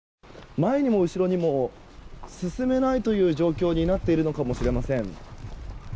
前にも後ろにも進めないという状況になっているのかもしれません。